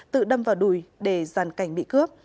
tự đâm vào đùi để giàn cảnh bị cướp